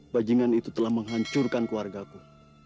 bajingan itu telah menghancurkan keluarga ku